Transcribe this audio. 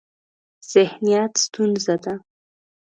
ذهنیت ستونزه ده.